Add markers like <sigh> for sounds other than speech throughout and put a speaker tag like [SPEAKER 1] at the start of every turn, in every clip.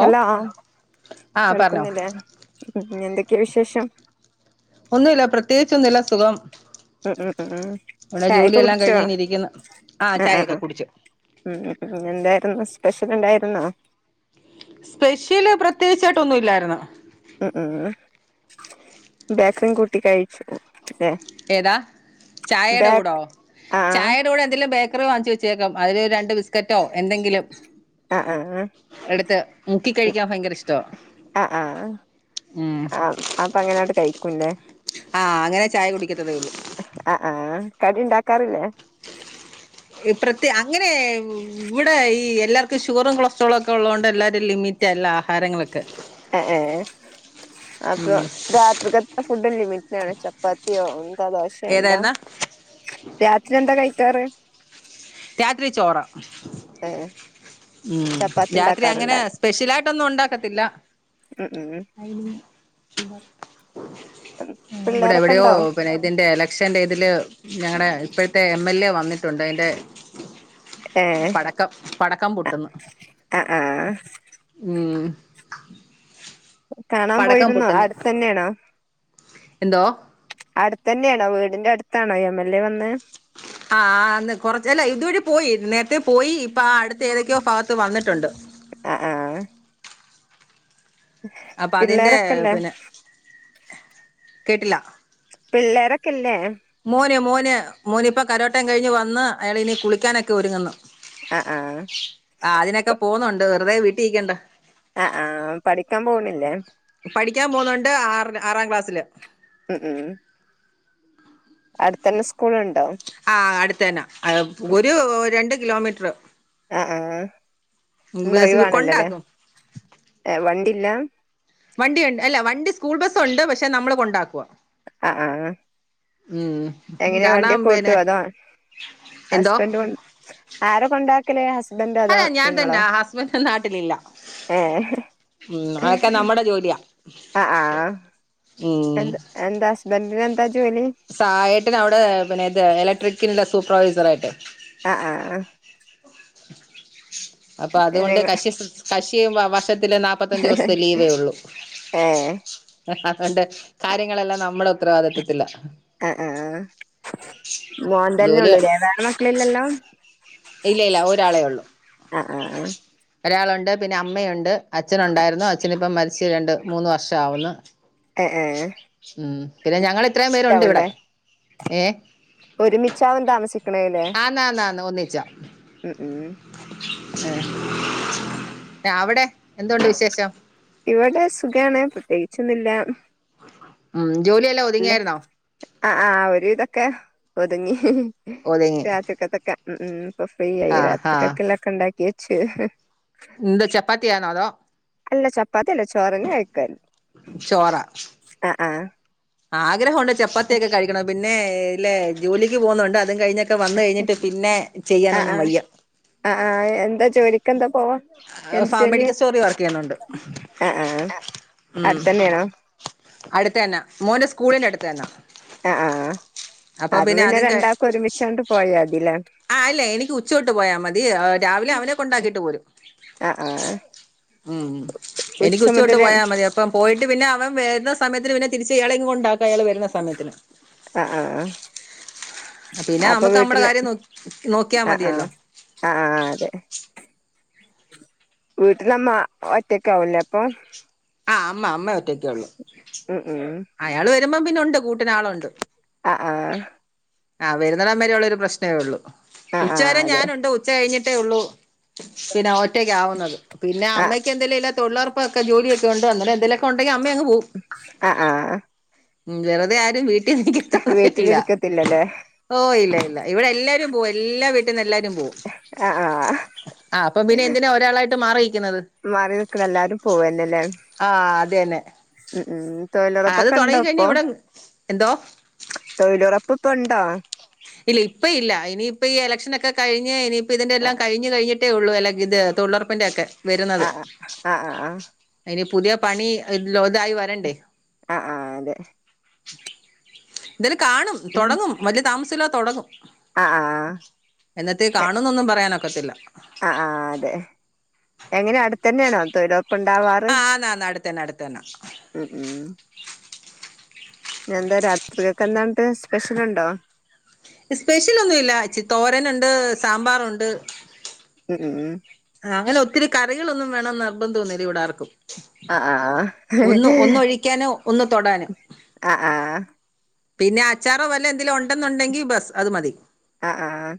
[SPEAKER 1] Hello,
[SPEAKER 2] ആ പറഞ്ഞോ
[SPEAKER 1] കേൾക്കുന്നില്ലേ? ന്നെ എന്തൊക്കെയാ വിശേഷം?
[SPEAKER 2] ഒന്നു ഇല്ല പ്രത്യേകിച്ച് ഒന്നു ഇല്ല സുഖം,
[SPEAKER 1] ഉം ഉം ഉം ഉം
[SPEAKER 2] വിടെ
[SPEAKER 1] ചായൊക്കെ
[SPEAKER 2] ജോലിയെല്ലാം
[SPEAKER 1] കുടിച്ചോ
[SPEAKER 2] കഴിഞ്ഞ്ങ്ങനെ
[SPEAKER 1] ആ
[SPEAKER 2] ഇരിക്കുന്നു, ആഹ്
[SPEAKER 1] ആ
[SPEAKER 2] ചായയൊക്കെ
[SPEAKER 1] ആ
[SPEAKER 2] കുടിച്ചു.
[SPEAKER 1] ഉം ഉം, എന്തായിരുന്നു സ്പെഷ്യൽ ണ്ടായിരുന്നോ?
[SPEAKER 2] സ്പെഷ്യല് പ്രത്യേകിച്ചായിട്ട് ഒന്നും ഇല്ലായിരുന്നു,
[SPEAKER 1] ഉം ഉം ബേക്കറിൻ കൂട്ടി കഴിച്ചു. ല്ലേ
[SPEAKER 2] ഏതാ, ചായയുടെ
[SPEAKER 1] ബേക്ക്
[SPEAKER 2] കൂടോ,
[SPEAKER 1] ആ
[SPEAKER 2] ചായയുടെ കൂടെ എന്തെേലും ബേക്കറി വാങ്ങിച്ചുച് ചേക്കും അതില് രണ്ട് ബിസ്ക്കറ്റോ എന്തെങ്കിലും,
[SPEAKER 1] ആ ആ
[SPEAKER 2] എടുത്ത് മുക്കി കഴിക്കാൻ ഭയങ്കര ഇഷ്ടോ
[SPEAKER 1] ആ ആ
[SPEAKER 2] ഉം,
[SPEAKER 1] ആ അപ്പൊ അങ്ങനെ ആട്ട് കഴിക്കുംല്ലേ,
[SPEAKER 2] ആഹ് അങ്ങനെ ചായ കുടിക്കത്തതേ ഉള്ളൂ,
[SPEAKER 1] അഹ് ആഹ്, കടി ണ്ടാക്കാറില്ലേ?
[SPEAKER 2] ഇ പ്രത്യ അങ്ങനെ വിടെ ഈ എല്ലാർക്കും ഷുഗറും കൊളസ്ട്രോളും ഒക്കെ ഉള്ളോണ്ട് എല്ലാരും ലിമിറ്റ് റ്റെല്ല ആഹാരങ്ങളൊക്കെ.
[SPEAKER 1] എഹ് ഏഹ് അപ്പൊ
[SPEAKER 2] ഉം
[SPEAKER 1] രാത്രികത്തെ ഫുഡ് ലിമിറ്റണ്ചൊ പ്പാത്തിയോ എന്താ ദോശ എന്താ
[SPEAKER 2] ഏതായിരുന്ന
[SPEAKER 1] രാത്രി എന്താ കഴിക്കാറ്.
[SPEAKER 2] രാത്രി ചോറ്
[SPEAKER 1] ഏ
[SPEAKER 2] ഉം
[SPEAKER 1] ചപ്പാത്തി
[SPEAKER 2] രാത്രി അങ്ങനെ
[SPEAKER 1] ഉണ്ടാക്കാറുണ്ടാ
[SPEAKER 2] സ് പെഷ്യലായിട്ടൊന്നും ഉണ്ടാക്കത്തില്ല.
[SPEAKER 1] ഉം ഉം ഉം ഉം
[SPEAKER 2] ഇവിടെ
[SPEAKER 1] പിള്ളേരൊക്കെ
[SPEAKER 2] എവിടെയോ
[SPEAKER 1] ഉണ്ടോ
[SPEAKER 2] പിന്നെ ഇതിന്റെ എല ക്ഷന്റെ ഇതില് ഞങ്ങടെ ഇപ്പഴത്തെ എം എൽ എ വന്നിട്ടുണ്ട് അയ്ന്റെ.
[SPEAKER 1] ഏ
[SPEAKER 2] പടക്കം പടക്കം പൊട്ടുന്നു
[SPEAKER 1] ആ ആ
[SPEAKER 2] ഉം.
[SPEAKER 1] കാണാൻ
[SPEAKER 2] പടക്കം
[SPEAKER 1] പോയിരുന്നോ
[SPEAKER 2] പൊട്ട്ന്ന്
[SPEAKER 1] അടുത്തന്നെയാണോ
[SPEAKER 2] എന്തോ.
[SPEAKER 1] അടുത്തന്നെയാണോ വീടിന്റെ അടുത്താണോ എം എൽ എ വന്ന്.
[SPEAKER 2] ആഹ് ആഹ് അന്ന് കുറച്ചല്ല ഇതുവഴി പോയി നേരത്തെ പോയി ഇപ്പ ആ അടുത്ത ഏതൊക്കെയോ ഭാഗത്ത് വന്നിട്ടുണ്ട്.
[SPEAKER 1] അഹ് ആഹ്.
[SPEAKER 2] അപ്പം അതിൻ്റെ
[SPEAKER 1] പിള്ളേരൊക്കെല്ലേ
[SPEAKER 2] പിന്നെ കേട്ടില്ല.
[SPEAKER 1] പിള്ളേരൊക്കെല്ലേ.
[SPEAKER 2] മോന് മോന് മോന് ഇപ്പ കരോട്ടയും കഴിഞ്ഞ് വന്ന് അയാൾ ഇനി കുളിക്കാനൊക്കെ ഒരുങ്ങുന്നു.
[SPEAKER 1] അഹ് ആഹ്.
[SPEAKER 2] ആഹ് അതിനൊക്കെ പോഉന്നുണ്ട് വെറുതെ വീട്ടിക്കണ്ട.
[SPEAKER 1] അഹ് ആഹ് പഠിക്കാൻ പോണില്ലേ.
[SPEAKER 2] പഠിക്കാൻ പോകുന്നുണ്ട് ആറ്ല് ആറാം ക്ലാസ്സില്.
[SPEAKER 1] ഉം ഉം അടുത്തന്നെ സ്കൂളുണ്ടോ?
[SPEAKER 2] ആഹ് അടുത്തേന്ന ഒരു രണ്ട് കിലോമീറ്ററ്
[SPEAKER 1] അഹ് ആഹ് ഇന്ന്
[SPEAKER 2] ബസ്
[SPEAKER 1] ഒഴിവാണല്ലോലേ
[SPEAKER 2] കൊണ്ടാക്കും
[SPEAKER 1] ഏഹ് വണ്ടില്ല.
[SPEAKER 2] വണ്ടിണ്ട് അല്ല വണ്ടി സ്കൂൾ ബസ്സുണ്ട് പക്ഷെ നമ്മള് കൊണ്ടാക്കുവ
[SPEAKER 1] അഹ് അഹ്. എങ്ങനെയാ
[SPEAKER 2] കാരണം
[SPEAKER 1] വണ്ടിയൊക്കെ ഓട്ടു
[SPEAKER 2] പിന്നെ
[SPEAKER 1] അതോ
[SPEAKER 2] എന്തോ
[SPEAKER 1] ഹസ്ബൻന്റ് കൊണ്ട് ആരാ കൊണ്ടാക്കല് ഹസ്
[SPEAKER 2] അല്ല ഞാൻ തന്നെ ആ ഹസ്ബൻടൊന്നും നാട്ടിലില്ല.
[SPEAKER 1] ഏ
[SPEAKER 2] ഉം അതൊക്കെ നമ്മടെ ജോലിയാ.
[SPEAKER 1] അഹ് അഹ്.
[SPEAKER 2] ഉം.
[SPEAKER 1] എന്താ ഹസ്ബന്റിന് എന്താ ജോലി.
[SPEAKER 2] സായേട്ടന അവിടെ പിന്നെ ഇത് ഇലക്ട്രിക്കിന്റ സൂപ്പർവൈസർ ആയിട്ട്.
[SPEAKER 1] അഹ് അഹ് ആഹ്
[SPEAKER 2] അപ്പൊ അതുകൊണ്ട്
[SPEAKER 1] നിങ്ങ
[SPEAKER 2] കഷി കഷി വർഷത്തില് നാ പ്പത്തഞ്ച് ദിവസത്തെ ലീവേ ഉള്ളൂ.
[SPEAKER 1] ഏ
[SPEAKER 2] അതുകൊണ്ട് കാര്യങ്ങളെല്ലാം നമ്മടെ ഉത്തരവാദിത്വത്തില.
[SPEAKER 1] അഹ് ആഹ് മോൻ തന്നെ
[SPEAKER 2] ജോലി
[SPEAKER 1] ഉള്ളൂ ലേവേറെ മക്കളില്ലെല്ലോ.
[SPEAKER 2] ഇല്ല ഇല്ല ഒരാളേ ഉള്ളു.
[SPEAKER 1] ആഹ് ആഹ്
[SPEAKER 2] ഒരാളുണ്ട് പിന്നെ അമ്മയുണ്ട് അച്ഛനുണ്ടായിരുന്നു അച്ചനിപ്പം മരിച്ച് രണ്ട് മൂന്ന് വർഷംമാവുന്നു.
[SPEAKER 1] എഹ് എഹ് ഏഹ്
[SPEAKER 2] ഉം പിന്നെ ഞങ്ങളിത്രയും പേരുണ്ട് ഇവിടെ ഏഹ്.
[SPEAKER 1] ഒരുമിച്ചാണോ താമസിക്കണേലേ
[SPEAKER 2] ആന്നന്നന്ന് ഒന്നിച്ചാ.
[SPEAKER 1] ഉം ഉം
[SPEAKER 2] ന്നെ അവിടെ എന്തുണ്ട് വിശേഷം.
[SPEAKER 1] ഇവിടെ സുഗാണ് പ്രത്യേകിച്ചൊന്നുല്ല.
[SPEAKER 2] ഉം ജോലിയെല്ലാം ഒതുങ്ങിയായിരുന്നോ.
[SPEAKER 1] അഹ് ആഹ് ഒരു വിതൊക്കെ ഒതുങ്ങി
[SPEAKER 2] ഒതുങ്ങി
[SPEAKER 1] രാത്രിക്കത്തൊക്കെ. ഉം ഉം ഇപ്പൊ ഫ്രീ
[SPEAKER 2] ആ
[SPEAKER 1] ആയി രാത്രി
[SPEAKER 2] ആ
[SPEAKER 1] കൊക്കെല്ലൊക്കെ ണ്ടാക്കിയെച്ച്
[SPEAKER 2] എന്താ ചപ്പാത്തിയാണോ അതോ
[SPEAKER 1] അല്ല ചപ്പാത്തി അല്ല ചോറന്നെ കയിക്കല്
[SPEAKER 2] ചോറാ?
[SPEAKER 1] അഹ് ആഹ്
[SPEAKER 2] ആഗ്രഹൊണ്ട് ചപ്പാത്തിയൊക്കെ കഴിക്കണം പിന്നെ ഇല്ലെ ജോലിക്ക് പോകുന്നുണ്ട് അതും കഴിഞ്ഞാ ക്കെ വന്ന് കയിഞ്ഞിട്ട് പിന്നെ ചെയ്യാനൊന്നും വയ്യ
[SPEAKER 1] അഹ് ആഹ് എന്താ ജോലിക്കെന്താ പോവാ? എന്ത്
[SPEAKER 2] ഫാ
[SPEAKER 1] ജോലി?
[SPEAKER 2] മെഡിക്കൽ സ്റ്റോറിൽ വർക്ക് ചെയ്യുന്നുണ്ട്
[SPEAKER 1] അഹ് ആഹ് അടുത്തന്നെയാണോ?
[SPEAKER 2] അടുതെന്നാ മോൻ്റെ സ്കൂളിൻ്റെ അടുതെന്നാ
[SPEAKER 1] അഹ് ആഹ് അപ്പൊ പിന്നെ
[SPEAKER 2] അതും
[SPEAKER 1] രണ്ടാക്കും ഒരുമിച്ചാണ്ട് പോയാതി
[SPEAKER 2] ആഹ് അല്ല എനിക്ക് ഉച്ചൊട്ട് പോയാ മതി രാവിലെ അവനെ കൊണ്ടാക്കിട്ട് പോരും
[SPEAKER 1] അഹ് ആഹ്
[SPEAKER 2] ഉം ഉം
[SPEAKER 1] ഉച്ച
[SPEAKER 2] എനിക്ക് ഉച്ചോട്ട്
[SPEAKER 1] മുതല്
[SPEAKER 2] പോയാ മതീ അപ്പ് ഇപ്പം പോയിട്ട് പിന്നെ അവൻ വരുന്ന സമയത്തിന് പിന്നെ തിരിചിയാളെങ്കൊണ്ടാക്ക അയാൾ വരുന്ന സമയത്തിന്
[SPEAKER 1] അഹ് അഹ് ആഹ്
[SPEAKER 2] പിന്നെ മക്ക് മ്മടെ കാര്യം നോ നോക്കിയാ മതിയല്ലോ
[SPEAKER 1] അഹ് ആഹ് അതെ വീട്ടിലമ്മ ഒറ്റക്കാവൂല്ലേ അപ്പൊ?
[SPEAKER 2] ആഹ് അമ്മ അമ്മ ഒറ്റയ്ക്കൊള്ളൂ
[SPEAKER 1] ഉം ഉം
[SPEAKER 2] അയാള് വരുമ്പം പിന്നെ ഉണ്ട് കൂട്ടിനാളുണ്ട്
[SPEAKER 1] ആഹ് ആഹ്
[SPEAKER 2] ആ വരുന്നടം വരെ ഉള്ള ഒരു പ്രശ്നേ ഉള്ളൂ
[SPEAKER 1] ആ
[SPEAKER 2] ഉച്ച
[SPEAKER 1] ആ
[SPEAKER 2] വരെ
[SPEAKER 1] അതെ
[SPEAKER 2] ഞാനുണ്ട് ഉച്ച കഴിഞ്ഞിട്ടേ ഉള്ളൂ പിന്നെ ഒറ്റക്കാവുന്നത് പിന്നെ
[SPEAKER 1] ആ
[SPEAKER 2] അമ്മക്ക് എന്തേലും ഇല്ല തൊഴിലുറപ്പൊക്കെ ജോലിയൊക്കെണ്ട് അങ്ങനെ എന്തേലൊക്കെ ഉണ്ടെങ്കിൽ അമ്മ അങ്ങ് പോവും
[SPEAKER 1] ആഹ് ആഹ്
[SPEAKER 2] ഉം വെറുതെ ആരും വീട്ടിൽ <unintelligible>
[SPEAKER 1] വീട്ടിലിരിക്കത്തില്ലല്ലേ?
[SPEAKER 2] ഓ ഇല്ല ഇല്ല ഇവിടെ എല്ലാരും പോവും എല്ലാ വീട്ടിൽന്ന് എല്ലാരും പോവും
[SPEAKER 1] ആ ആ
[SPEAKER 2] ആ അപ്പ പിന്നെ എന്തിനാ ഒരാളായിട്ട് മാറി നിക്കണത്
[SPEAKER 1] മാറി നിൽക്കുന്ന എല്ലാരും പോവന്നല്ലേ
[SPEAKER 2] ആഹ് അതന്നെ
[SPEAKER 1] ഉം ഉം തൊഴിലുറപ്പൊക്കെ ഇണ്ടോ ഇപ്പൊ
[SPEAKER 2] ഇവിടെ എന്തോ
[SPEAKER 1] തൊഴിലുറപ്പ് ഇപ്പ ഉണ്ടോ
[SPEAKER 2] ഇല്ല ഇപ്പ ഇല്ല ഇനിയിപ്പൊ ഈ എലക്ഷൻനക്ക കഴിഞ്ഞ് ഇനിയിപ്പോ ഇതിന്റെ
[SPEAKER 1] ആ
[SPEAKER 2] എല്ലാം കഴിഞ്ഞ് കഴിഞ്ഞ് കഴിഞ്ഞിട്ടേ ഉള്ളു അല്ലെ ഇത് തൊഴിലുറപ്പിന്റെ ഒക്കെ വരുന്നത്
[SPEAKER 1] ആ ആ ആ ആ
[SPEAKER 2] അയിന് പുതിയ പണി ഇതായി വരണ്ടേ
[SPEAKER 1] ആഹ് ആഹ് അതെ
[SPEAKER 2] എന്തേലും കാണും തുടങ്ങും വലിയ താമസമില്ലാത തുടങ്ങും
[SPEAKER 1] ആഹ് ആഹ്
[SPEAKER 2] എന്നത്തേക്കാണന്നൊന്നും പറയാനൊക്കത്തില്ല
[SPEAKER 1] ആഹ് ആഹ് അതെ എങ്ങനെ അടുത്തന്നെയാണോ തൊയിലുറ പ്പുണ്ടാവാറ്
[SPEAKER 2] ആ ആന്ന് ആന്ന് അടുത്തന്നെ അടുത്തന്നെ
[SPEAKER 1] ഉം ഉം ഇന്നെന്താ രാത്രിയൊക്കെ എന്നാണ്ട് സ്പെഷ്യലുണ്ടോ
[SPEAKER 2] സ്പെഷ്യലൊന്നുമില്ല ചി തോരനുണ്ട് സാമ്പാറുണ്ട്
[SPEAKER 1] ഉം ഉം ഉം
[SPEAKER 2] അങ്ങനെ ഒത്തിരി കറികളൊന്നും വേണമെന്ന് നിർബന്ധം ഒന്നില്ല ഇവിടാർക്കും
[SPEAKER 1] ആഹ്
[SPEAKER 2] ഒന്ന് ഒന്ന് ഒഴിക്കാനും ഒന്ന് തൊടാനും
[SPEAKER 1] അ ആ.
[SPEAKER 2] പിന്നെ അച്ചാറോ വല്ല എന്തെങ്കിലും ഉണ്ടെന്നുണ്ടെങ്കിൽ ബസ് അത് മതി
[SPEAKER 1] ആഹ് ആഹ്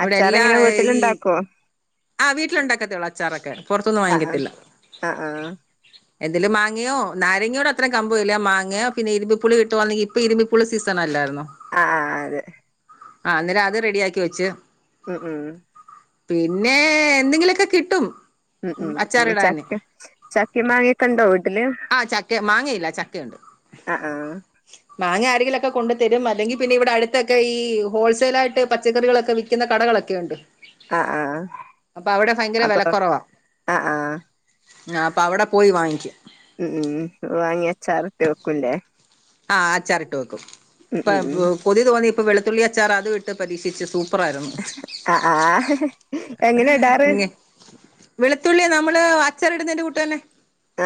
[SPEAKER 2] ഇവിടെ
[SPEAKER 1] അച്ചാർ
[SPEAKER 2] എല്ലാ
[SPEAKER 1] എങ്ങന
[SPEAKER 2] ഈ
[SPEAKER 1] വീട്ടിലുണ്ടാക്കുവോ
[SPEAKER 2] ആ വീട്ടിലുണ്ടാക്കത്തേ ഉള്ളൂ അച്ചാറൊക്കെ പുറത്തിന്ന് വാങ്ങികത്തില്ല
[SPEAKER 1] ആഹ് ആഹ്
[SPEAKER 2] എന്തേലും മാങ്ങയോ നാരങ്ങയോട് അത്ര കമ്പം ഇല്ല മാങ്ങയോ പിന്നെ ഇരുമ്പിപ്പുളിയോ കിട്ടുവാണെങ്കിൽ ഇപ്പ ഇരുമ്പിപ്പുള്ളി സീസൺ അല്ലായിരുന്നോ
[SPEAKER 1] ആഹ് ആഹ് അതെ
[SPEAKER 2] ആഹ് അന്നേരം അത് റെഡിയാക്കി വെച്ച്
[SPEAKER 1] ഉം ഉം
[SPEAKER 2] പിന്നെ എന്തെങ്കിലുമൊക്കെ കിട്ടും
[SPEAKER 1] ഉം ഉം ഉം
[SPEAKER 2] അച്ചാറിടാന്
[SPEAKER 1] ചക്ക ചാക്കേം മാങ്ങയും പ്പണ്ടോ വീട്ടില്
[SPEAKER 2] ആ ചക്ക മാങ്ങയില്ല ചക്കയുണ്ട്
[SPEAKER 1] ആഹ് ആഹ്
[SPEAKER 2] മാങ്ങ ആരെങ്കിലൊക്കെ കൊണ്ട് തരും അല്ലെങ്കിൽ പിന്നെ ഇവിടെടുത്തൊക്കെ ഈ ഹോൾസെയിൽയിട്ട് പച്ചക്കറികളൊക്കെ വി ക്കുന്ന കടകളൊക്കെയുണ്ട്
[SPEAKER 1] അ ആ.
[SPEAKER 2] അപ്പൊ അവടെ ഭയങ്കര
[SPEAKER 1] അപ്പൊ
[SPEAKER 2] വെലക്കൊറവാ.
[SPEAKER 1] അ ആ.
[SPEAKER 2] ഞ അപ്പൊ അവിടെ പോയി വാങ്ങിക്ക്യും
[SPEAKER 1] ഉം ഉം വാങ്ങി അച്ചാറിട്ട് വെക്കുംല്ലേ
[SPEAKER 2] ആഹ് അച്ചാറിട്ട് വെക്കും.
[SPEAKER 1] ഉം
[SPEAKER 2] ഇപ്പം
[SPEAKER 1] ഉം.
[SPEAKER 2] പുതിയത് വന്ന് ഇപ്പൊ വെളുത്തുള്ളി അച്ചാർ അത് ഇട്ട് പരീക്ഷിച്ച് സൂ പ്പറാര്ന്നു.
[SPEAKER 1] അ ആ. ആ എങ്ങനെ ഇടാറ്?
[SPEAKER 2] ഇങ്ങെ വെളുത്തുള്ളി നമ്മള് അച്ചറി ടുന്നതിന്റെ കൂട്ട് തന്നെ,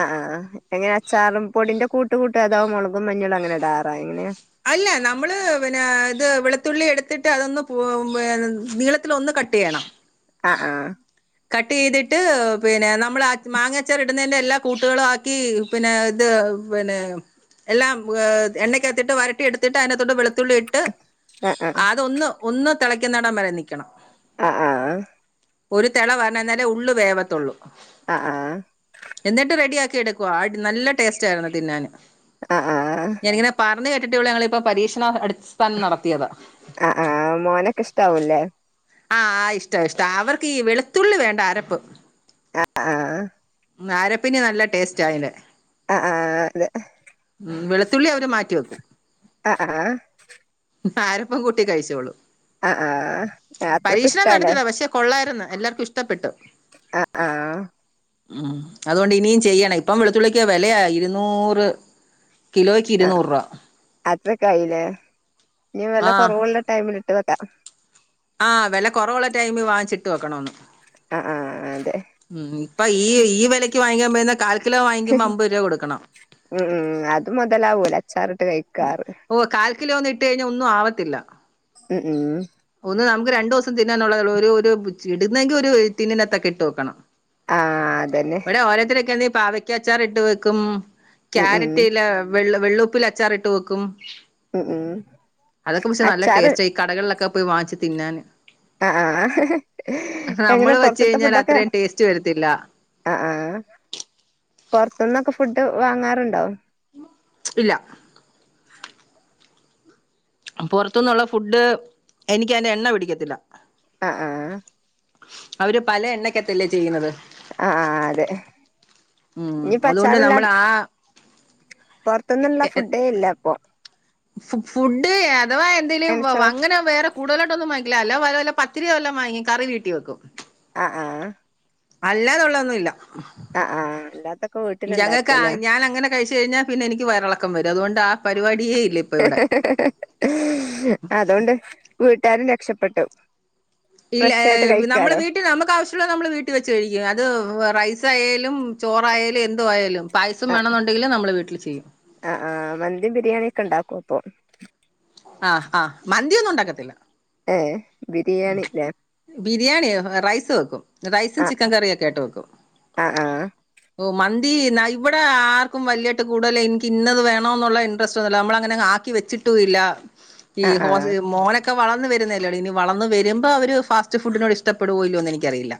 [SPEAKER 1] ആഹ് ആഹ് എങ്ങന അച്ചാറും പൊടിന്റെ കൂട്ട് കൂട്ടോ അതോ മുളകും മഞ്ഞളും അങ്ങനെ ഇടാറാ എങ്ങനെയാ.
[SPEAKER 2] അല്ല നമ്മള് പിന്നെ ഇത് വെളുത്തുള്ളി എടുത്തിട്ട് അതൊന്ന് പു വെ ന്ന് നീളത്തി ത്തിലൊന്ന് കട്ടെയ്യണം
[SPEAKER 1] ആഹ് ആഹ്
[SPEAKER 2] കട്ട് ചെയ്തിട്ട് പിന്നെ നമ്മൾ മാങ്ങച്ചാർ ഇടുന്നതിന്റെ എല്ലാ കൂട്ടുകളും ആക്കി. പിന്നെ ഇത് പിന്നെ- എല്ലാം എണ്ണയ്ക്കത്തിട്ട് വരട്ടി എടുത്തിട്ട് അതിനെ കത്തൊട്ട് വളത്തുള്ളി ട്ട്
[SPEAKER 1] അ ആ.
[SPEAKER 2] അതൊന്ന് ഒന്ന് തിളക്കുന്നടൻ വരെ നിൽക്കണം.
[SPEAKER 1] ആ ആ
[SPEAKER 2] ഒരു തിള പറഞ്ഞന്നാലേ ഉള്ള് വേവത്തുള്ളൂ
[SPEAKER 1] ആ ആ
[SPEAKER 2] എന്നിട്ട് റെഡി ആക്കി എടുക്കുവ നല്ല ടേസ്റ്റ് ആയിരുന്നു തിന്നാന്
[SPEAKER 1] ആ ആ
[SPEAKER 2] ഞാനിങ്ങനെ പറഞ്ഞ് കേട്ടിട്ടേളൂ ഞങ്ങളിപ്പ പരീക്ഷണ അടുസ്ഥാനം നടത്തിയതാണ്.
[SPEAKER 1] ആ ആ മോനൊക്കെ ഇഷ്ടാവൂല്ലേ?
[SPEAKER 2] ആഹ ഇഷ്ട ഇഷ്ട അവർക്ക് ഈ വെളുത്തുള്ളി വേണ്ട ആരപ്പ്.
[SPEAKER 1] ആഹ ആഹ
[SPEAKER 2] നാരപ്പനി നല്ല ടേസ്റ്റ് ആയല്ലേ.
[SPEAKER 1] ആ ആ അതെ
[SPEAKER 2] ഉ വെളുത്തുള്ളി അവരെ മാറ്റി വെക്കും.
[SPEAKER 1] ആഹ ആഹ
[SPEAKER 2] ആരപ്പ കൂട്ടി കഴിച്ചോളൂ
[SPEAKER 1] ആഹ് ആഹ് അത്രക്കും
[SPEAKER 2] പരീക്ഷണം
[SPEAKER 1] ഇഷ്ടാല്ലേ
[SPEAKER 2] നടത്തിതാ പക്ഷെ കൊള്ളായിരുന്നുഎല്ലാർക്കും ഇഷ്ടപ്പെട്ട്.
[SPEAKER 1] ആഹ ആഹ
[SPEAKER 2] ഉം അതുകൊണ്ട് ഇനിയും ചെയ്യണം ഇപ്പം വെളുത്തുള്ളിക്ക് വിലയ ഇരുന്നൂറ്. കിലോയ്ക്ക് ഇരുന്നൂറ് രൂപ.
[SPEAKER 1] അത്ര കയ്ല്ലേ ഞ്ഞി വെലെ
[SPEAKER 2] ആഹ്
[SPEAKER 1] കുറവുള്ളുള്ള ടൈമിലിട്ട് വെക്കാം.
[SPEAKER 2] ആ വില കുറവുള്ള ടൈമില് വാങ്ങിച്ചിട്ട് വെക്കണമെന്ന്.
[SPEAKER 1] ആ ആ അതെ
[SPEAKER 2] ഉം ഇപ്പൊ ഈ ഈ വിലയ്ക്ക് വാങ്ങിക്കാ പോയിരുന്ന കാൽക്കിലോ വാങ്ങിക്കുമ്പോ അമ്പത് രൂപ കൊടുക്കണം.
[SPEAKER 1] ഉം ഉം അത് മുതലാവൂല അച്ചാറിട്ട് കഴിക്ക
[SPEAKER 2] ഓ കാൽക്കിലോ ഒന്നും ഇട്ട കഴിഞ്ഞാ ഒന്നും ആവത്തില്ല.
[SPEAKER 1] ഉം ഉം ഉം
[SPEAKER 2] ഒന്ന് നമുക്ക് രണ്ടൂസം തിന്നാനുള്ളതേ ഉള്ളൂ. ഒരു ഒരു ബ്ച് ഇടുന്നെങ്കിൽ ഒരു ടിന്നിനകത്തെക്കെ ഇട്ട് വെക്കണം.
[SPEAKER 1] ആഹ് അതന്നെ
[SPEAKER 2] ഓരോത്തൊരക്കെന്ന് പാവക്കാച്ചാർ ഇട്ട് വെക്കും
[SPEAKER 1] ഉം ഉം
[SPEAKER 2] കാരറ്റ്ലെ വെള്ള് വെള്ളുപ്പിലെ ച്ചാറ് ഇട്ട് വെക്കും
[SPEAKER 1] ഉം ഉം
[SPEAKER 2] അതൊക്കെ മുഷേ നല്ല
[SPEAKER 1] അച്ചാറ്
[SPEAKER 2] ടേസ്റ്റ് ആയി കടകളിലൊക്കെ പോയി വാങ്ങിച്ച് തിന്നാന്
[SPEAKER 1] ആഹ് ആഹ് ആഹ് എങ്ങനെ
[SPEAKER 2] നമ്മള് വെച്ച്
[SPEAKER 1] പൊറത്തത്തെ
[SPEAKER 2] കഴിഞ്ഞാൽ
[SPEAKER 1] ഫുഡൊക്കെ?
[SPEAKER 2] അത്രയും ടേസ്റ്റ് വരത്തില്ല
[SPEAKER 1] ആഹ് ആഹ് പൊറത്തുന്നൊക്കെ ഫുഡ് വാങ്ങാറുണ്ടോ?
[SPEAKER 2] മ്ച് ഇല്ല. പൊറത്തുന്നുള്ള ഫുഡ് എനിക്കതിൻ്റെ എണ്ണ പിടിക്കത്തില്ല.
[SPEAKER 1] ആഹ് ആഹ്
[SPEAKER 2] അവര് പല എണ്ണക്കത്തല്ലേ ചെയ്യുന്നത്.
[SPEAKER 1] ആഹ് ആഹ് അതെ
[SPEAKER 2] ഉം
[SPEAKER 1] ഇനിയിപ്പ
[SPEAKER 2] അതോണ്ട് നമ്മള് ആ
[SPEAKER 1] പൊറത്തന്നുള്ള ഫുഡേ ഇല്ല അപ്പൊ?
[SPEAKER 2] ഫു ഫുഡ് അഥവാ എന്തേലും വ
[SPEAKER 1] നനച്ചോ
[SPEAKER 2] വ അങ്ങനെ വേറെ കൂടുതലാട്ടൊന്നും വാങ്ങിക്കില്ല അല്ല വേറല്ല പത്തിരിയോ വല്ലോം വാങ്ങി കറി വീട്ടിൽ വെക്കും.
[SPEAKER 1] ആഹ് ആഹ്
[SPEAKER 2] അല്ലാനുള്ളോന്നുല്ല.
[SPEAKER 1] ആഹ് ആഹ് അല്ലാത്ത
[SPEAKER 2] ഞങ്ങൾക്ക് ആ ഞാൻ അങ്ങനെ കഴിച്ചു കഴിഞ്ഞാൽ പിന്നെ എനിക്ക് വയറിളക്കം വരും അതുകൊണ്ട് ആ പരിപാട്യേ ഇല്ല. ഇപ്പൊ ഇവിടെ
[SPEAKER 1] അതോണ്ട് വീട്ടാരും രക്ഷപ്പെട്ടു.
[SPEAKER 2] ഇല്ല
[SPEAKER 1] ഫ്രഷ് ആയിട്ട്
[SPEAKER 2] ഏഹ് നമ്മള്
[SPEAKER 1] കഴിക്കാലോ
[SPEAKER 2] ഇത് നമുക്ക് ആവശ്യള്ളത് നമ്മള് വീട്ടിൽ വെച്ച് കഴിക്കും അത് റൈസായാലും ചോറായാലും എന്തോ ആയാലും പായസം
[SPEAKER 1] ആ
[SPEAKER 2] വേണെന്നുണ്ടെങ്കിൽ നമ്മള് വീട്ടിൽ ചെയ്യും
[SPEAKER 1] ആഹ് ആഹ് മന്തിം ബിരിയാണി ഒക്കെ ഇണ്ടാക്കും അപ്പൊ
[SPEAKER 2] ആഹ് ആഹ് മന്തിയൊന്നും ഉണ്ടാക്കത്തില്ല
[SPEAKER 1] ഏഹ് ബിരിയാണില്ലേ
[SPEAKER 2] ബിരിയാണി റൈസ് വെക്കും റൈസും
[SPEAKER 1] ആഹ്
[SPEAKER 2] ചിക്കൻ കറിയൊക്കെ ആയിട്ട് വെക്കും
[SPEAKER 1] ആഹ് ആഹ്
[SPEAKER 2] ഓ മന്തി ഇന്ന ഇവിടെ ആർക്കും വല്യയിട്ട് കൂടുതലും എനിക്ക് ഇന്നത് വേണോന്നുള്ള ഇൻട്രസ്റ്റ് ഒന്നുല്ല നമ്മള് അങ്ങനെങ്ങ് ആ ക്കിവെച്ചിട്ടുല്ല ഈ
[SPEAKER 1] ആഹ്
[SPEAKER 2] ഹോസ്
[SPEAKER 1] ആഹ്
[SPEAKER 2] മോനെക്കെ വളർന്ന് വരുന്നല്ലേ ഉള്ളൂ ഇനി വളർന്ന് വരുമ്പോ അവര് ഫാസ്റ്റ് ഫുഡിനോട് ഇഷ്ടോ ഇല്ല്യോന്ന് എനിക്കറിയില്ല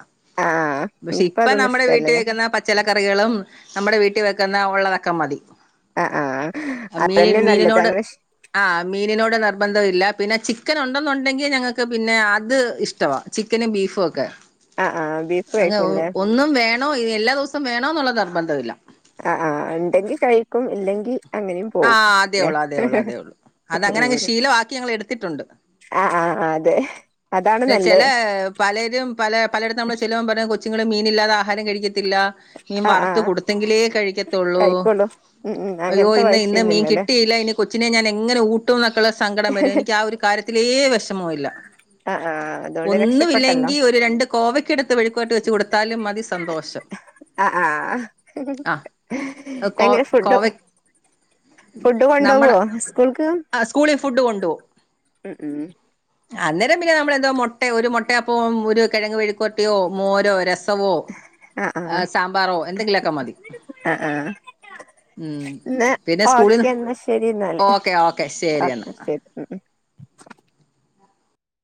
[SPEAKER 1] ആഹ്
[SPEAKER 2] പക്ഷെ
[SPEAKER 1] ഇപ്പ
[SPEAKER 2] ഇപ്പം
[SPEAKER 1] അതൊന്നും
[SPEAKER 2] നമ്മടെ വീട്ടി
[SPEAKER 1] ഇഷ്ടല്ലല്ലേ
[SPEAKER 2] വെക്കുന്ന പ ച്ചെല കറികളും നമ്മടെ വീട്ടിൽ വെക്കുന്ന ഉള്ളതൊക്കെ മതി
[SPEAKER 1] ആഹ് ആഹ് അതന്നെ നല്ലത് അങ്ങനെ ശീ
[SPEAKER 2] ആഹ് മീനിനോട് നിർബന്ധം ഇല്ല പിന്നെ ചിക്കൻ ഉണ്ടെന്നുണ്ടെങ്കി ഞങ്ങ ക്ക് പിന്നെ അത് ഇഷ്ടവാ ചിക്കനും ബീഫും ഒക്കെ
[SPEAKER 1] ആഹ് ആഹ് ബീഫ്
[SPEAKER 2] അങ്ങ്
[SPEAKER 1] കഴിക്കും ഇല്ലേ
[SPEAKER 2] ഒന്നും വേണോ എല്ലാ ദിവസോം വേണോന്നുള്ള നിർബന്ധം ഇല്ല
[SPEAKER 1] ആഹ് ആഹ് ഇണ്ടെങ്കി കഴിക്കും ഇല്ലെങ്കി അങ്ങനേം പോവും
[SPEAKER 2] ആഹ് അതേ
[SPEAKER 1] ല്ലേ
[SPEAKER 2] ഒള്ളൂ അതേ ഒള്ളൂ അതേ ഒള്ളൂ
[SPEAKER 1] ഉം
[SPEAKER 2] അതങ്ങനങ്ങ് ശീലവാക്കി ഞങ്ങൾ എടുത്തിട്ടുണ്ട്
[SPEAKER 1] ആഹ് ആഹ് ആഹ് അതെ അതാണ്
[SPEAKER 2] ഏ ചെല
[SPEAKER 1] നല്ലത്
[SPEAKER 2] പലരും പല പലയിടത്തും നമ്മള് ചെലുമ്പോ പറയും കൊച്ചുങ്ങള് മീനില്ലാതെ ആഹാരം കഴിക്കത്തില്ല മീൻ
[SPEAKER 1] ആഹ്
[SPEAKER 2] വറുത്ത്
[SPEAKER 1] ആഹ്
[SPEAKER 2] കൊടു ത്തെങ്കിലെ കഴിക്കത്തെള്ളൂ
[SPEAKER 1] കഴിക്കൊള്ളൂ ഉം ഉം അ
[SPEAKER 2] അയ്യോ ഇന്ന് ഇന്ന് മീൻ കിട്ടിയില്ല ഇനി കൊച്ചിനെ ഞാൻ എങ്ങനെ ഊട്ടും എന്നൊക്കെള്ള സങ്കടം വരും എനി ആ ഒരു കാര്യത്തിലേ വിഷമോ ഇല്ല
[SPEAKER 1] ആഹ് ആഹ് അത്
[SPEAKER 2] ഒന്നും ഇല്ലെങ്കിൽ ഒരു രണ്ട് കോവയ്ക്കെടുത്ത് മെഴുക്കുവരട്ടി വെച്ച് കൊടുത്താലും മതി സന്തോഷം
[SPEAKER 1] ആഹ് ആഹ് ആഹ്
[SPEAKER 2] ആഹ് കോ
[SPEAKER 1] എങ്ങനെ ഫുഡ്
[SPEAKER 2] കോവ
[SPEAKER 1] ഫുഡ് കൊണ്ടോവോ
[SPEAKER 2] നമ്മടെ
[SPEAKER 1] സ്കൂൾക്ക്
[SPEAKER 2] ആഹ് സ്കൂളിൽ ഫുഡ് കൊണ്ട് പോകും
[SPEAKER 1] ഉം ഉം
[SPEAKER 2] അന്നേരം പിന്നെ നമ്മളെന്തോ മുട്ട ഒരു മുട്ട അപ്പോൾ ഒരു കിഴങ്ങ് മെഴുക്കു പെരട്ടിയോ മോരോ രസമോ ആഹ് സാമ്പാറോ എന്തെങ്കിലുമൊക്കെ മതി
[SPEAKER 1] ആഹ് ആഹ്
[SPEAKER 2] ഉം
[SPEAKER 1] എന്നാ
[SPEAKER 2] പിന്നെ സ്കൂളിന്ന്
[SPEAKER 1] ഓക്കെ എന്നാ ശരി എന്നാല്
[SPEAKER 2] ഓക്കെ ഓക്കെ ശരി
[SPEAKER 1] ഓക്കെ
[SPEAKER 2] എന്നാ
[SPEAKER 1] ശരി ഉം ഉം